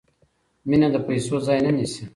مینه د پیسو ځای نه نیسي.